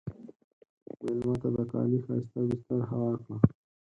مېلمه ته د کالي ښایسته بستر هوار کړه.